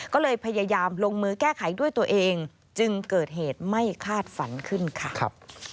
ก็เลยพยายามลงมือแก้ไขด้วยตัวเองจึงเกิดเหตุไม่คาดฝันขึ้นค่ะ